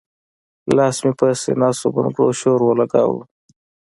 لاس مې پۀ سينه شو بنګړو شور اولګوو